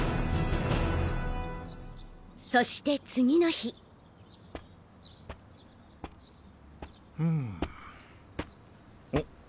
そして次の日おっ？